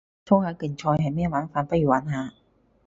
粗口競賽係咩玩法，不如玩下